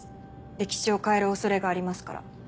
歴史を変えるおそれがありますから。